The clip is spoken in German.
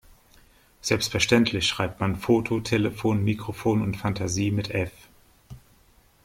Selbstverständlich schreibt man Foto, Telefon, Mikrofon und Fantasie mit F.